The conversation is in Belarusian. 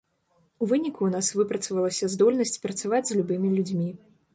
У выніку ў нас выпрацавалася здольнасць працаваць з любымі людзьмі.